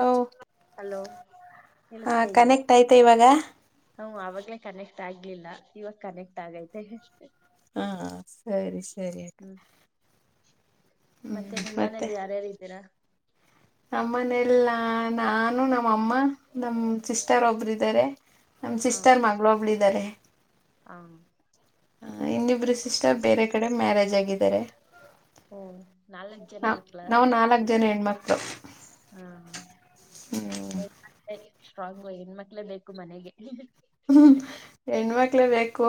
ಹ ಹಲೋ ಹ ಕನೆಕ್ಟ್ ಆಯ್ತಾ ಇವಾಗ ಹ ಅವವಾಗಲೇ ಕನೆಕ್ಟ್ ಆಗ್ಲಿಲ್ಲ ಇವಾಗ ಕನೆಕ್ಟ್ ಆಗೈತೆ ಹಾ ಸರಿ ಸರಿ ಅಕ್ಕ ಹ್ಮ್ ಮತ್ತೆ ಹ್ಮ್ ನಿಮ್ಮ್ ಮನೇಲಿ ಯಾರ್ಯಾರು ಇದ್ದೀರಾ ನಮ್ಮನಲ್ಲ ನಾನು ನಮ್ಮಅಮ್ಮ ನಮ್ಮ್ ಸಿಸ್ಟರ್ ಒಬರು ಇದಾರೆ ನಮ್ಮ ಹ ಸಿಸ್ಟರ್ ಮಗಳಬ್ಳಿದ್ದಾರೆ ಹ ಹ ಇನ್ನಿಬ್ರು ಸಿಸ್ಟರ್ ಬೇರೆ ಕಡೆ ಮ್ಯಾರೇಜ್ ಆಗಿದ್ದಾರೆ ಓ ನಾಲ್ಕ್ ಜನ ಹ ಮಕ್ಳ ನಾವು ನಾಲ್ಕ್ ಜನ ಹೆಣ್ಮಾರ್ ಹಾ ಹ್ಮ್ ಸ್ಟ್ರಾಂಗ್ ಹೆಣ ಮಕ್ಳೇ ಬೇಕು ಮನೆಗೆ ಹ್ಮ ಹೆಣ್ಮಕ್ಳ ಬೇಕು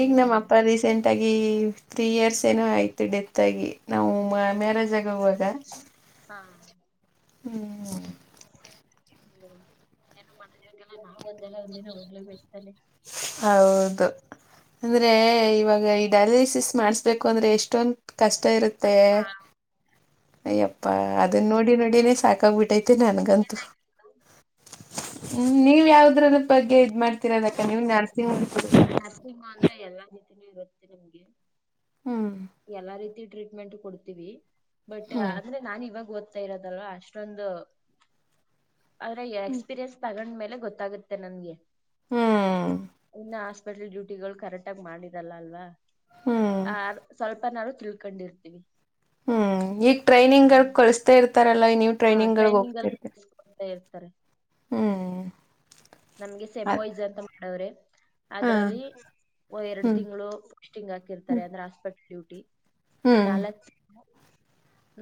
ಈಗ್ ನಮ್ಮ ಅಪ್ಪ ರೀಸೆಂಟ್ ಆಗಿ ಈ ತ್ರೀ ಇಯರ್ಸ್ ಏನೋ ಆಯ್ತು ಡೆತ್ ಆಗಿ ನಾವು ಮ್ಯಾರೇಜ್ ಆಗುವಾಗ ಹಾ ಹ ಹ್ಮ ಏನು ಮಾಡಬೇಕಲ್ಲ ನಾವು ಒಂದೆಲ್ಲ ಒಂದಿನ ಹೋಗ್ಲೇಬೇಕ ಹೌದು ಅಂದ್ರೆ ಇವಾಗ ಈಗ ಈ ಡಯಾಲಿಸ್ ಮಾಡಸ್ಬೇಕು ಅಂದ್ರೆ ಎಷ್ಟೊಂದ ಕಷ್ಟ ಇರುತ್ತೆ ಕಷ್ಟ ಅಯ್ಯಪ್ಪ ಹೌದು ಅದನ್ನ ನೋಡಿ ನೋಡೇ ಸಾಕಾಗ್ಬಿಟ್ಟೈತೆ ನನಗಂತೂ ಹ್ಮ್ ನೀವ್ ಯಾವ್ದ್ರ ಬಗ್ಗೆ ಇದ್ ಮಾಡ್ತೀರಾ ಅದಕ್ಕ ನೀವ್ ನರ್ಸಿಂಗ್ ನರ್ಸಿಂಗ ಅಂದ್ರೆ ಎಲ್ಲಾ ರೀತಿನೂ ಇರುತ್ತೆ ನಮ್ಗೆ ಹ್ಮ್ ಎಲ್ಲಾ ರೀತಿ ಟ್ರೀಟ್ಮೆಂಟ್ ಕೊಡ್ತೀವಿ ಬಟ್ ಹ್ಮ್ ಅಂದ್ರೆ ನಾನನ್ ಇವಾಗ ಇರದಲ್ವಾ ಅಷ್ಟೊಂದು ಆದ್ರೆ ಎಕ್ಸ್ಪೀರಿಯನ್ಸ್ ತಗೊಂಡ್ಮೇಲೆ ಗೊತ್ತಾಗುತ್ತೆ ನನ್ಗೆ ಹ್ಮ್ ಇನ್ನು ಹಸ್ಪಿಟಲ್ ಡ್ಯೂಟಿಗಳು ಕರೆಕ್ಟ್ ಆಗ ಮಾಡರಲ್ಲ ಅಲ್ವಾ ಹ್ಮ್ ಸ್ವಲ್ಪ ತಿಳ್ಕೊಂಡಿರ್ತೀವಿ ಹ್ಮ್ ಈಗ ಟ್ರೈನಿಂಗ್ಗಳು ಕಳಸ್ತಾ ಇರ್ತ ತರ ಎಲ್ಲ ನೀವು್ ಹಾ ಟ್ರೈನಿಂಗ್ ಗ್ ಎಲ್ಲ ಹೋಗ್ತಿರ್ ಕೊಡ್ತಾ ಇರ್ತಾರೆ, ಹ್ಮ್ ನಮ್ಗೆ ಅದ್ ಸಮ್ಮುೈಜ ಅಂತ ಮಾಡೋ್ರೆ ಹಾ ಅದ್ರಲ್ಲಿ ಎರಡು ಹ್ಮ್ ತಿಂಗಳು ಸ್ಿಂಗ್ ಹಾಕಿರ್ತಾರೆ ಹ್ಮ್ ಅಂದ್ರೆ ಹಾಸ್ಪಿಟಲ್ ಡೂಟಿ ಇನ್ನ ಹ್ಮ್ ಅಲ್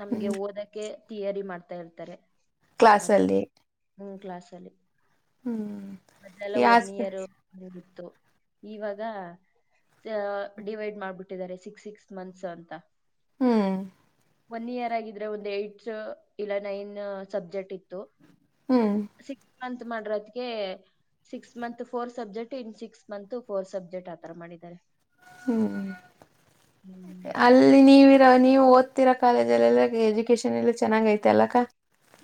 ನಮ್ಗೆ ಹ್ಮ್ ಓದಕ್ಕೆ ತಯಾರಿ ಮಾಡ್ತಾ ಇರ್ತಾರೆ ಕ್ಲಾಸ್ ಅಲ್ಲಿ ಮೂರು ಕ್ಲಾಸ್ಲ್ಲಿ ಮದಲ್ಲ ಈ ಒನ್ ಹಾಸ್ಪಿ ಇಯರ್ ಹಗಿತ್ತು ಇವಾಗ ಡಿವೈಡ್ ಮಾಡ್ಬಿಟ್ಟಿದ್ದಾರೆ ಸಿಕ್ಸ್ ಸಿಕ್ಸ್ ಮಂತ್ಸ್ ಅಂತ ಹ್ಮ್ ಒನ್ ಇಯರ್ ಆಗಿದ್ರೆ ಒಂದು್ ಏಟ್ಸ್ ಇಲ್ಲ ನೈನ್ ಸಬ್ಜೆಕ್ಟ್ ಇತ್ತು ಹ್ಮ್ ಸಿ ಮತ್ ಮಾಡ್ರ ಅದಗೆ six month four subject in six month four subject ಆತರ ಮಾಡಿದ್ದಾರೆ ಹ್ಮ್ ಹ್ಮ್ ಅಲ್ಲಿ ನೀವ ನೀವು ಓದ್ತಿರಾ ಕಾಲೇಜ ಎಲ್ಲ ಎಜುಕೇಶನ್ ಎಲ್ಲ ಚೆನ್ನಾಗ ಐತೆ ಅಲ್ಲಕ್ಕ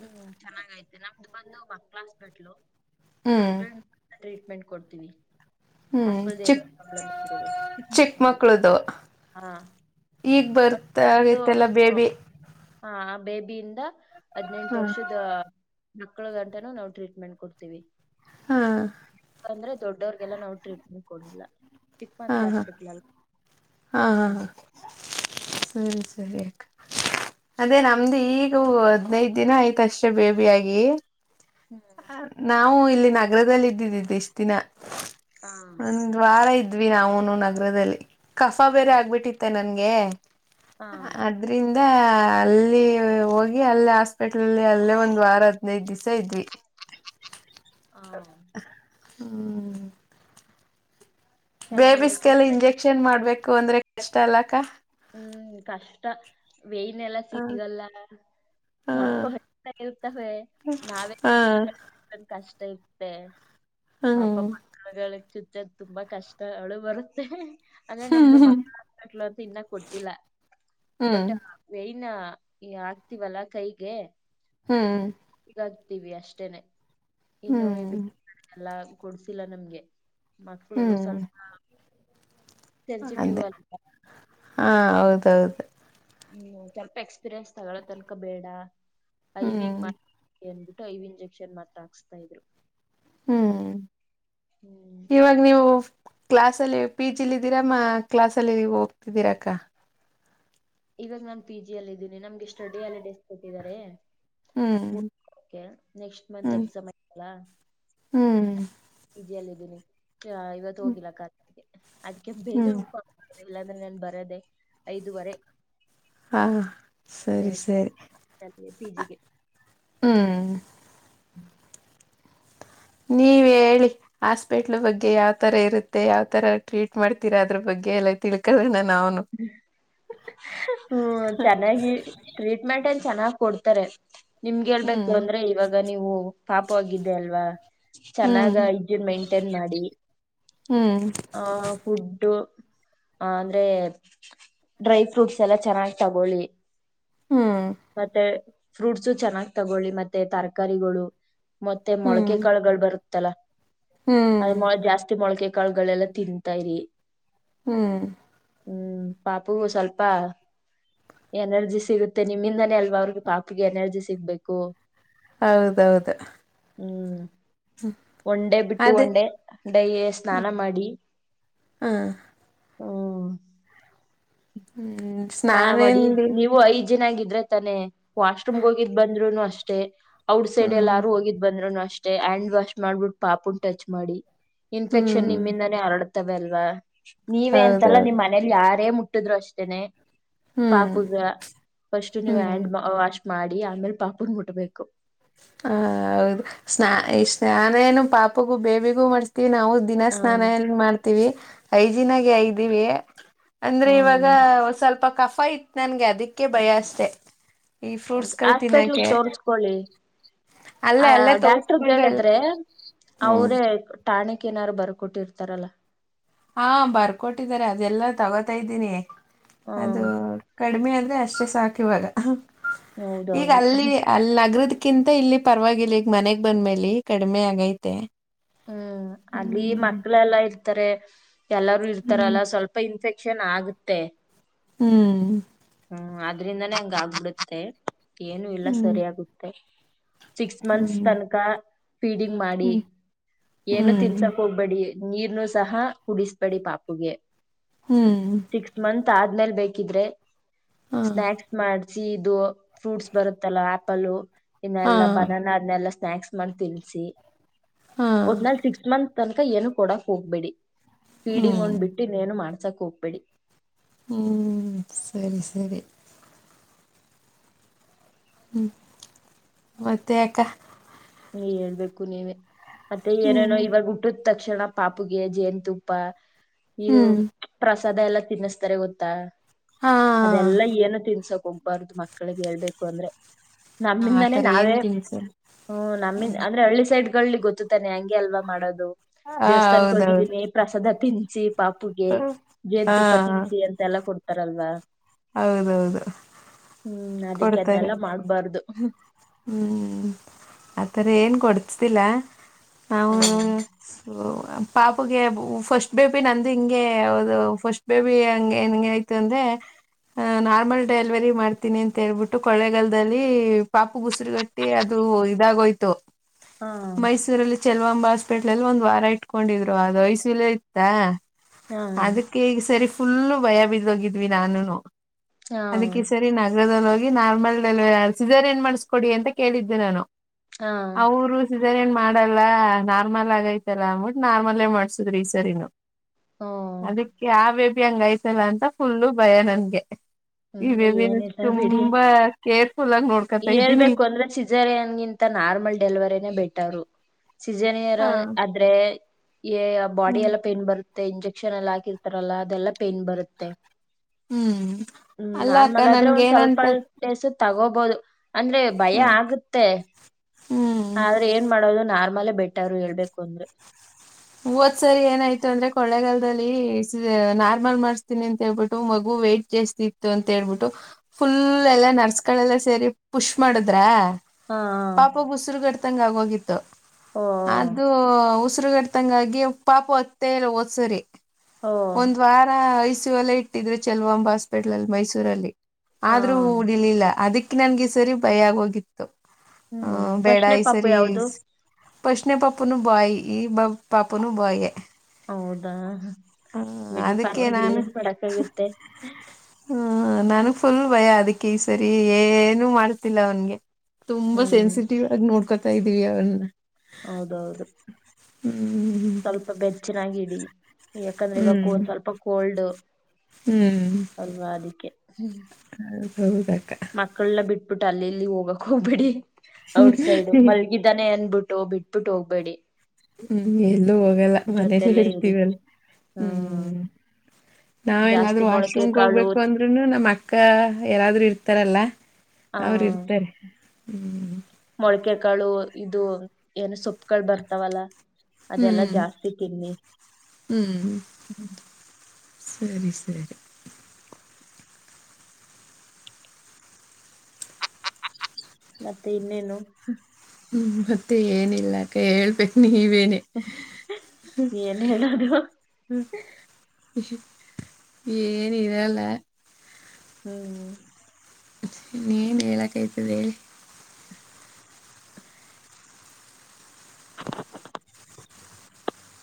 ಹ್ಮ್ ಚೆನ್ನಾಗೈತೆ ನಮ್ದು ಬಂದು ಮಕ್ಳ ಹಾಸ್ಪಿಟ್ಲು ಹ್ಮ್ ಮಕ್ಳ ಟ್ರೀಟ್ಮೆಂಟ್ ಕೊಡ್ತೀನಿ ಹ್ಮ್ ಮಕ್ಕಳ್ದ ನ ಚಿಕ್ಕ ಪ್ರಾಬ್ಲಮ್ ಇದ್ೆ ಹಾ ಈಗ್ ಅದು ಬರ್ತು ಬರ್ತಗೈತ್ತಲ್ಲ ಆ ಬೇಬಿ ಹಾ ಬೇಬಿಯಿಂದ ಹದ್ಿನೆಂಟು ಹಾ ವರ್ಷದ ಮಕ್ಕಳ ಗಂಟನ ನಾವವು ಟ್ರೀಟ್ಮೆಂಟ್ ಕೊಡ್ತೀವಿ ಹಾ ಯಾಂದ್ರೆ ದೊಡ್ಡವ್ರಗೆಲ್ಲ ನಾವು ಟ್ರೀಟ್ಮೆಂಟ್ ಕೊಡಲ್ಲ ಚಕ್ ಮಾಡ ಹಾ ಹಾ ಕ್ಲಾಸ್ಪಟ್ಲಲ್ಲ ಹಾ ಹಾ ಸರಿ ಸರಿ ಅ ಅದೇ ನಮ್ದು ಈಗ ಹದ್ನೈದ ದಿನ ಆಯ್ತ ಅಷ್ಟೇ ಬೇಬಿಯಗಿ ಹ್ಮ್ ನಾವು ಇಲ್ಲಿ ನಗರದಲ್ಲಿ ಇದ್ದಿದ್ದಿದ್ದೆ ಎಷ್ಟ್ ದಿನ ಆ ಒಂದ್ ವಾರ ಇದ್ವಿ ನಾವುನು ನಗರದಲ್ಲಿ ಕಫಾ ಬೇರೆ ಆಗ್ಬಿಟ್ಟಿತ್ತೆ ನನ್ಗೆ ಆ ಅದ್ರಿಂದ ಮತ್ತ ಅಲ್ಲಿ ಹೋಗಿ ಅಲ್ಲೇ ಹಾಸ್ಪಿಟ್ಲ್ಲ್ಲಿ ಅಲ್ಲೇ ಒಂದ್ ವಾರ ಹದ್ನೈದು ದಿವ್ಸ ಇದ್ವಿ ಹಾ ಹ್ಮ ಚೆನ್ನಾಗಿಲ್ಲ ಬೇಬಿಸಸ್ಗೆಲ್ಲ ಇಂಜೆಕ್ಷನ್ ಮಾಡ್ಬೇಕು ಅಂದ್ರೆ ಕಷ್ಟ ಅಲ್ಲಕ್ಕ ಹ್ಮ್ ಕಷ್ಟ ವೇನೆಲ್ಲ ಹ ಸಿಗಲ್ಲ ಹ ಪಾಪತಾ ಇರ್ತವೆ ನಾವೇ ಹ ಕಷ್ಟ ಹ್ಮ್ ಪಪ ಮಕ್ಕಳ ತುಂಬಾ ಕಷ್ಟಗಳುು ಬರುತ್ತೆ ಅಂದ್ರೆ ನಮ್ದು ಹ್ಮ್ ಮಕ್ಕಳಟ್ ಅಂತ ಇನ್ನ ಕೊಟ್ಟಿಲ್ಲ ಬಟ್ ವಯನ ಆಗ್ತಿವಲ್ಲ ಕೈಗೆ ಹ್ಮ್ ವಿ ಅಷ್ಟೇನೆ ಇನ್ನು ಹ್ಮ್ ಎಲ್ಲ ಕೊಡ್ಸಿಲ್ಲ ನಮ್ಗೆ ಮಕ್ಳು ಹ್ಮ್ ಸ್ವಲ್ಪ ಅದೇ ಸೆನ್ಸಿಟಿವಿವ್ಲ್ಲ ಹಾ ಹೌದೌದು ಹ್ಮ್ ಸ್ವಲ್ಪ ಎಕ್ಸ್ಪೀರಿಯನ್ಸ್ ತಗೋಳ ತನಕ ಬೇಡ ಐವಿಗ್ ಹ್ಮ್ ಏನ್ ಟೈವ್ ಇಂಜೆಕ್ಷನ್ ಮಾತ್ರ ಹಾಕ್ಸ್ತಾ ಇದ್ರು ಹ್ಮ್ ಹ್ಮ್ ಇವಾಗ ನೀವು ಕ್ಲಾಸಲ್ಲಿ ಪಿ ಜಿಲಿ ಇದಿದ್ದೀರಾ ಮಾ ಕ್ಲಸ್ಲ್ಲಿ ಹೋಗ್ತಿದ್ದೀರಕ್ಕ ಇವಾಗ ನಾನ್ ಪಿ ಜಿ ಅಲ್ಲ ಇದೀನಿ ನಮ್ಗೆ ಸ್ಟಡಿ ಅಲ್ಲಿ ಡಸ್ ಕೊಟ್ಟಿದ್ದಾರೆ ಹ್ಮ್ ನೆಕ್ಸ್ಟ್ ಮಂತ್ ಹ್ಮ್ ಎಕ್ಸಾಮ್ ಆಯತಲ್ಲ ಹ್ಮ್ ಜಲ್ಲ ಇದಿದ್ದೀನಿ ಇವತ್ತು ಹೋಗಿಲ್ಲ ಕ ಅದಕ್ಕೆ ಬೇಗ ಹ್ಮ್ ಇಲ್ಲಾಂದ್ರೆ ನನ್ ಬರದೆೇ ಐದುವರೆ ಹಾ ಸರಿ ಸರಿ ಪಿ ಜಿಗೆ ಹ್ಮ್ ಹ್ಮ್ ನೀವ ಹೇಳಿ ಹಾಸ್ಪೆಟ್ಲ್ ಬಗ್ಗೆ ಯಾವ್ತರ ಇರುತ್ತೆ ಯಾವ್ತರ ಟ್ರೀಟ್ ಮಾಡ್ತೀರಾ ಅದ್ರ ಬಗ್ಗೆ ಎಲ್ಲ ತಿಳ್ಕ ನ ಹ್ಮ ಚೆನ್ನಾಗಿ ಟ್ರೀಟ್ಮೆಂಟ್ ಚೆನ್ನಾಗ್ ಕೊಡ್ತಾರೆ ನಿಮ್ಗೆ ಹೇಳ್ಬೇಕು ಹ್ಮ್ ಅಂದ್ರೆ ಇವಾಗ ನೀವು ಪಾಪವಾಗಿದ್ದ ಅಲ್ವಾ ಹ್ಮ್ ಚೆನ್ನಾಗ ಇಜಡ್ ಮೈಂಟೈನ್ ಮಾಡಿ ಹ್ಮ್ ಹ ಫುಡ್ ಆ ಅಂದ್ರೆ ಡ್ರೈ ಫ್ರೂಟ್ಸ್ ಎಲ್ಲ ಚೆನ್ನಾಗ್ ತಗೊಳ್ಳಿ ಹ್ಮ್ ಮತ್ತೆ ಫ್ರೂಟ್ಸು ಚೆನ್ನಾಗ್ ತಗೊಳ್ಳಿ ಮತ್ತೆ ತರಕಾರಿಗಳು ಮತ್ತೆ ಹ್ಮ್ ಮೊಳಕೆ ಕಾಳುಗಳು ಬರುತ್ತಲ್ಲ ಅದ ಹ್ಮ್ ಮೊ ಜಾಸ್ತಿ ಮೊಳಕೆ ಕಾಳಗಳೆಲ್ಲಾ ತಿನ್ಂತ ಇರಿ ಹ್ಮ್ ಹ್ಮ್ ಪಾಪ ಸ್ವಲ್ಪ ಎನರ್ಜಿ ಸಿಗುತ್ತೆ ನಿಮ್ಮಿಂದನೇ ಅಲ್ವಾ ಅವ್ರಿಗೆ ಪಾಪಗೆ ಎನರ್ಜಿ ಸಿಗ್ಬೇಕು ಹೌದೌದು ಹ್ಮ್ ಒನ್ ಡೇಬಿಟ್ಟು ಅದೇ ಒನ್ ಡೇ ಡೈಲಿ ಸ್ನಾನ ಮಾಡಿ ಹ್ಮ ಹೂ ಹೂ ಸ್ನಾನ ಮಾಡಿ ನೀವು ಹೈಜೀನ್ ಆಗಿ ್ರೆ ತಾನೆ ವಾಶ್್ರೂಮ್ಗೆ ಹೋಗಿದ್ ಬಂದ್ರುನು ಅಷ್ಟೇ ಔಟ್ ಸೈಡ್ ಹ್ಮ್ ಎಲ್ಲಾರು ಹೋಗಿದ್ ಬಂದ್ರುನು ಅಷ್ಟ ಅಷ್ಟ ಹಂಡ್ ವಾಶ್ ಮಾಡ್ಬಿ ಪಾಪ ಟಚ್ ಮಾಡಿ ಇನ್ಫೆಕ್ಷನ್ ಹ್ಮ್ ನಿಿಂದರಡ ತವ ಅಲ್ವಾ ನೀವೇ ಅಂತಲ್ಲ ಹೌದೌದು ನಿಮ್ಮ್ ಮನೇಲಿ ಯಾರೇ ಮುಟ್ಟಿದ್ರು ಅಷ್ಟೇನೆ ಹ್ಮ್ ಪಾಪಗ ಫಸ್ಟ್ ನೀವು ಹ್ಮ್ ಹ್ಯಾಂಡ್ ವಾಶ್ ಮಾಡಿ ಆಮೇಲ್ ಪಾಪನ್ ಮುಟ್ಬೇಕು ಹ ಹೌದು ಸ್ನಾ ಈ ಸ್ನಾನ ಏನು ಪಾಪಗೂ ಬೇಬಿಗೂ ಮಾಡ್ ವಿ ನಾವು ಹ ದಿನಸ್ನಾನ ಎಏನ್ ಮಾಡ್ತೀವಿ ಹೈಜೀನ್ ನಗೆ ಇದೀವಿ ಅಂದ್ರೆ ಇವಾಗ ಹ ಸ್ವಲ್ಪ ಕೋಘ್ ಇತ್ ನನ್ಗೆ ಅದಕ್ಕೆ ಭಯ ಅಷ್ಟೆ ಈ ಹೌದು ಫ್ರೂಟ್ಸ್ ಗಳು ಆಾಸ್ಪೆಟ್ಲ್ ತಿನ್ನಕೆ ತೋರ್ಸ್ಕೊಳ್ಳಿ ಅಲ್ಲೇ ಆ ಅಲ್ಲೇ ಡಾಕ್ಟರ್ ತೋರ್ಸ್ಕೊಂಡ್ರೆ ಎಲ್ಲ ಹೇಳಿದ್ರೆ ಹ್ಮ್ ಅವರೇ ಟಾನಿಕ್ ಏನಾರು ಬರ್ಕೊಟ್ಟಿರ್ತಾರಲ್ಲ ಹಾ ಬರ್ಕೊಟ್ಟಿದಿದ್ದಾರೆ ಅದೆಲ್ಲಾ ತಗೋತಾ ಇದ್ದೀನಿ ಅದು ಹ್ಮ್ ಕಡಿಮೆ ಅಂದ್ರೆ ಅಷ್ಟೇ ಸಾಕ ಇವಾಗ ಈಗ ಹೌದೌದು ಅಲ್ಲಿ ಅಲ್ಲಿ ನಗರದ ಕಿಂತ ಇಲ್ಲಿ ಪರವಾಗಿಲ್ಲ ಈಗ ಮನೆಗ್ ಬಂದ್ಮೇಲಿ ಕಡಿಮೆ ಆಗೈತೆ ಹೂ ಅಲ್ಲಿ ಹ್ಮ್ ಮಕ್ಕಳ ಎಲ್ಲಾ ಇರ್ತಾರೆ ಎಲ್ಲಾರೂ ಹ್ಮ್ ಇರ್ತಾರಲ್ಲ ಸ್ವಲ್ಪ ಇನ್ಫೆಕ್ಷನ್ ಇನ್ಫೆಕ್ಷನ್ ಆಗುತ್ತೆ ಹೂ ಹೂ ಅದ್ರಿಂದಾನೇ ಹಂಗ ಆಗ್ಬಿಡುತ್ತೆ ಏನು ಇಲ್ಲ ಹ್ಮ್ ಸರಿ ಆಾಗುತ್ತೆ ಸಿಕ್ಸ್ ಮಂತ್ಸ್ ಹ್ಮ್ ತನಕ ಫೀಡಿಂಗ್ ಮಾಡಿ ಹ್ಮ್ ಏನು ಹ್ಮ್ ತಿನ್ಸಕ್ ಹೋಗ್ಬೇಡಿ ನೀರ್ನು ಸಹ ಕುಡಿಸಬೇಡಿ ಪಾಪುಗೆ ಹೂ ಮ ಆದ್ಮೇಲ್ ಬೇಕಿದ್ರೆ ಹಾ ಸ್ನ್ಯಾಕ್ ಮಾಡ ಸೀದು ಫ್ರೂಟ್ಸ್ ಬರುತ್ತಲ್ಲ ಆಪಲ್ ಹಾ ಇನ್ನೆಲ್ಲಾ ಬನಾನ ಅದನ್ನೆಲ್ಲ ಸ್ನಾಯಕ್ಸ್ ಮಾಡಿ ತಿನ್ಸಿ ಹಾ ಒಟ್ ನಲ್ ಸಿಕ್ಸ್ ಮಂತ್ ತನಕ ಏನು ಕೊಡಕ್ ಹೋಗ್ಬೇಡಿ ೀಡಿಂಗ್ ಹ್ಮ್ ಹೊಂದ್ಬಿಟ್ಟು ಇನ್ನೇನು ಮಾಡ್ಸಾಕ್ ಹೋಗ್ಬೇಡಿ ಹೂ ಸರಿ ಸರಿ ಹೂ ಮತ್ತೆಅಕ್ಕ ಹೇಳ್ಬೇಕು ನೀವೇ ಮತ್ತೆ ಏನೇನೋ ಹ್ಮ್ ಇವಾಗ ಹುಟ್ಟು ತಕ್ಷಣ ಪಾಪಗೆ ಜೇನು ತುಪ್ಪ ಇದು ಹ್ಮ್ ಸದಾ ಎಲ್ಲಾ ತಿನ್ನಿಸ್ತಾರೆ ಗೊತ್ತಾ ಹಾ ಅದೆಲ್ಲಾ ಏನ ತಿನ್ಸಕ್ ಹೋಗಬಾರ್ದು ಮಕ್ಳಿಗೆ ಹೇಳ್ಬೇಕು ಅಂದ್ರೆ ನಮ್ಮಿಂದಾನೇ ಆತರ ಏನ್ ನಾವೇ ತಿನ್ಸರ್ ಹೂ ನಮ್ಮನ್ ಹ್ಮ್ ಅಂದ್ರೆ ಹಳ್ಳಿ ಸೈಡ್ಗಳಗಳಲ್ಲಿ ಗೊತ್ತತಾನೆ ಹೆಂಗೆ ಅಲ್ವಾ ಮಾಡೋದು ಹ ದೇವಸ್ಥಾನಕ್ಕೆ ಹೌದೌದು ಹೋಗಿದ್ದೀನಿ ಪ್ರಸಾಸಾದ ಹಾ ತಿನ್ಸಿ ಪಾಪುಗೆ ಹ ಜೇನುತುಪ್ಪ ತಿನ್ಸಿ ಅಂತೆ ಎಲ್ಲ ಕೊಡ್ತಾರಲ್ವಾ ಹೌದೌದು ಹೂ ಕೊಡ್ತಾರೆ ಅದಕ್ಕೆದನ್ನಲ್ಲ ಮಾಡ್ಬಾರ್ದು ಹ್ಮ್ ಆತರ ಏನ್ ಕೊಡ್ಸತಿಿಲ್ಲ ಹೌ ಹ್ಮ್ ಪಾಪಗೆ ಫಸ್ಟ್ ಬೇಬಿ ನಂದು ಹಿಂಗೆ ಅ ಫಸ್ಟ್ ಬೇಬಿ ಹಂಗೆ ಹೆಂಗ ಆಯ್ತು ಅಂದ್ರೆ ಹ ನಾರ್ಮಲ್ ಡೆಲಿವರಿ ಮಾಡ್ತೀನಿ ಅಂತ ಹೇಳ್ಬಿಟ್ಟು ಕೊೊಳ್ಳೆಗಾಲದಲ್ಲಿ ಪಾಪು ಬುಸುರುಗಟ್ಟಿ ಅದು ಇದಾಗೋಯ್ತು ಹಾ ಮೈಸೂರಲ್ಲಿ ಚ ಕಂಬ ಹಾಸ್ಪಿಟ್ಲ್ ಅಲ್ಲಿ ಒಂದ್ ವಾರ ಇಟ್ಕೊಂಡಿದ್ರು ಅದು ಐಸಿಯು ಇತ್ತ ಹಾ ಅದಕ್ಕೆ ಈಗ ಸರಿ ಫುಲ್ಲು ಭಯ ಬಿದೋಗಿದ್ವಿ ನಾನುನು ಹಾ ಅದಕ್ಕೆ ಸರಿ ನಗರಲ್ಲೋಗಿ ನಾರ್ಮಲ್ ಸೀನ್ ಏನ್ ಮಾಡಿಸಕೊಡಿ ಅಂತ ಕೇಳಿದ್ದೆ ನಾನು ಹಾ ಈ ಸರಿ ಏನ್ ಮಾಡಲ್ಲ ನಾರ್ಮಲ್ ಆಗೈತಲ್ಲ ಅಂದಬಿಟ್ಟು ನಾರ್ಮಲ್ ಮಾಡ್ಸುದ್ರಿ ಈ ಸರಿನು ಹ್ಮ್ ಅದಕ್ಕೆ ಆಾವ ಬೇಬಿ ಹಂಗ ಐತಲ್ಲ ಅಂತ ಫುಲ್ಲು ಭಯ ನನ್ಗೆ ಈ ಹ್ಮ್ ಬೇಬಿ ನಾ ಏನಿಲ್ಲ ಬಿಡಿ ತುಂಬಾ ಕೇರ್ಫುಲ್ ಆಗಿ ನೋಡ್ಕತಾ ಇದ್ದೀನಿ ಹೇಳ್ಬೇಕು ಅಂದ್ರೆ ಸಿಜರಿಯನ್ಗಿಂತ ನಾರ್ಮಲ್ ಡೆಲಿವರಿನೇ ಬೆಟರ್ ಸಜನರ ಹ ಆದ್ರೆ ಬಾಡಿ ಹ್ಮ್ ಎಲ್ಲ ಪೈನ್ ಬರುತ್ತ ಮತ್ತೆ ಇಂಜೆಕ್ಷನ್ ಎಲ್ಲ ಹಾಕಿರ್ತಾರಲ್ಲಾ ಅದೆಲ್ಲಾ ಪೇನ್ ಬರುತ್ತೆ ಹ್ಮ್ ಹ್ಮ್ ಅಲ್ಲ ಅಕ್ಕ ನಾರ್ಮಲ್ ಆದ್ರೆ ನನ್ಗೆ ಒಂದ್ ಸ್ವಲ್ಪ ಏನಂತ ಹೊಲ್ಪೇಸ ತಗೋಬಹದು ಅಂದ್ರೆ ಭಯ ಹ್ಮ್ ಆಗುತ್ತೆ ಹ್ಮ್ ಆದ್ರೆ ಏನ್ ಮಾಡೋದು ನಾರ್ಮಲ್ ಬೆಟ್ಟರು ಹೇಳ್ಬೇಕು ಅಂದ್ರೆ ಹೂವದ್ ಸರಿ ಏನಾಯ್ತು ಅಂದ್ರೆ ಕೊಳ್ಳೆಗಾಲದಲ್ಲಿ ನಾರ್ಮಲ್ ಮಾಡ್ಸ್ತೀನಿ ಅಂತ ಹೇಳ್ಬಿಟ್ಟು ಮಗು ವೇ್ಟಟ್ ಜಾಸ್ತಿ ಇತ್ತು ಅಂತ ಹೇಬಿಟ್ಟು ಫುಲ್ ಎಲ್ಲಾ ನರ್ಸ್ಗಳೆಲ್ಲ ಸೇರಿ ಪುಷ್ ಮಾಡಿದ್ರ ಹಾ ಪಾಪ ಉಸಿರುಗಡ್ತಂಗ ಆಗೋಗಿತ್ತು ಹಾ ಓ ಅದು ಉಸಿರುಗಡ್ತ ತಂಗಾಗಿ ಪಾಪ ಹೊತ್ತಲ್ಲ ಓದ್ಸರಿ ಓ ಒಂದ್ ವಾರಐ ಲ್ಲ ಇಟ್ಟಿದ್ರೆ ಚೆಲ್ವಾಂಬ ಹಸ್ಪಿಟಲ್ ಅಲ್ಲಿ ಮೈಸೂರಲ್ಲಿ ಹಾ ಆದ್ರೂ ಡಿಲಿಲ್ಲ ಅದಕ್ಕೆ ಅ ನನ್ಗೆ ಈ ಸರಿ ಭಯ ಆಗೋಗಿತ್ತು ಆಹ ಹ್ಮ್ ಬೇಡ ಫಸ್ಟ್ನೇ ಈ ಪಾಪು ಸರಿ ಯಾವ್ದು ಪಷನ ಪಾಪೂನು ಬಾಯ ಈ ಪಾಪೂನು ಬಾಯಯ ಹೌದಾ ಬಿಡಿ ಅದಕ್ಕೆ ಪರವಾಗಿಲ್ಲ ನಾನು ಏನ್ ಮಾಡಕ್ಗುತ್ತೆ ಹ್ಮ ನಾನು ಫುಲ್ ಭಯ ಅದಿಕ್ಕೆ ಕ ಈ ಸರಿ ಏನು ಮಾಡ್ತಿಲ್ಲ ಅವನ್ಗೆ ತುಂಬಾ ಹ್ಮ್ ಸೆನ್ಸಿಟಿವ್ ಆಗಿ ನೋಡ್ಕ ಸೈಿವ ಅವನ್ನ ಹೌದೌದು ಹ್ಮ್ ಸ್ವಲ್ಪ ಬೆಚ್ಚನಾಗಡಿ ಯಾಕಂದ್ರೆ ಇವಕ್ಕ ಹ್ಮ್ ಒಂದ್ ಸ್ವಲ್ಪ ಕೋಲ್ಡ್ ಅಲ್ವಾ ಅದಕ್ಕೆೆ ಹ ಸೌದ ಮಕ್ಕಳಲ್ಲ ಬಿಟ್ಬಿಟ್ಟು ಅಲ್ಲಿ ಇಲ್ಲಿ ಹೋಗಕ್ ಹೋಗ್ಬಿಡಿ ಔಟ್ಸೈಡ್ ಮಲ್ಗಿದಾನೆ ಅ ಬಿಬಿಟ್ಟು ಬಿಟ್ಬಟ್ಟು ಹೋಗ್ಬೇಡಿ ಹ್ಮ್ ಎಲ್ಲೂ ಹೋಗಲ್ಲ ಮನೇಲ್ಲೇ ಜೊತೆಲೆ ಇರಿ ಇರ್ತೀವಲ್ಲ ಹ್ಮ್ ನಾವ್ ಜಾಸ್ತಿ ಎಲ್ಲಾದ್ರೂ ಮೊಳಕೆ ವಾಶ್ರೂಮ್ಗೆ ಕಾಳು ಹೋಗ್ಬೇಕು ಅಂದ್ೂನು ನಮ್ಮ್ ಅಕ್ಕ ಯಾರಾದ್ರು ಇರ್ತಾರಲ್ಲ ಅವ್ರ ಇರ್ತಾರೆ ಹ್ಮ್ ಮೊಳಕೆಕಾಳು ಇದು ಏನು ಸೊಪ್ಪಕ ಬರ್ತಾವಲ್ಲ ಅದೆಲ್ಲಾ ಹ್ಮ್. ಜಾಸ್ತಿ ತಿನ್ನಿ ಹ್ಮ್. ಸರಿ ಸರಿ ಮತ್ತೆ ಇನ್ನೇನು ಹ್ಮ ಮತ್ತೆ ಏನಿಲ್ಲಾಕ ಹೇಳ್ಬೇಕು ನೀ ಬನೆ್ಮ ಏನ್ ಹೇಳೋದು ಏನ್ ಇರಲ್ಲ ಹ್ಮ್್ಮ ನೀಏನ್ ಹೇಳಕ್ೈ್ತದೆ